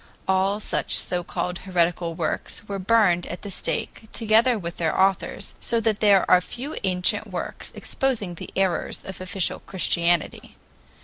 All such so called heretical works were burned at the stake, together with their authors, so that there are few ancient works exposing the errors of official Christianity.